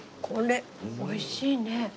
これ美味しいね。